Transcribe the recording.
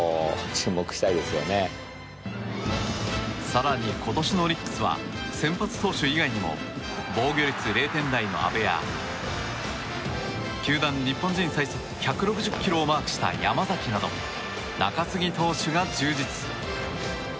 更に、今年のオリックスは先発投手以外にも防御率０点台の阿部や球団日本人最速、１６０キロをマークした山崎など中継ぎ投手が充実。